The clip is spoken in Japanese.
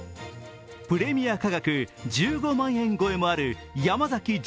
プレミア価格１５万円超えもある山崎